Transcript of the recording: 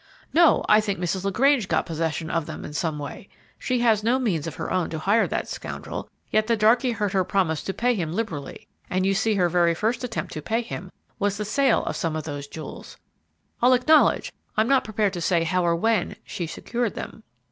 "No. I think Mrs. LaGrange got possession of them in some way. She has no means of her own to hire that scoundrel, yet the darkey heard her promise to pay him liberally, and you see her very first attempt to pay him was by the sale of some of those jewels. I'll acknowledge I'm not prepared to say how or when she secured them."